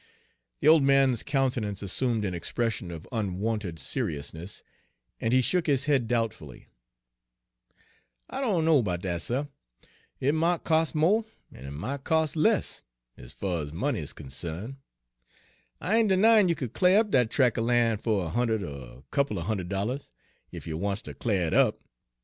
The old man's countenance assumed an expression of unwonted seriousness, and he shook his head doubtfully. Page 166 "I dunno 'bout dat, suh. It mought cos' mo', en it mought cos' less, ez fuh ez money is consarned. I ain' denyin' you could cl'ar up dat trac' er fan' fer a hund'ed er a couple er hund'ed dollahs, ef you wants ter cl'ar it up.